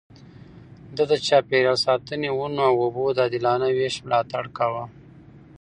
ده د چاپېريال ساتنې، ونو او اوبو د عادلانه وېش ملاتړ کاوه.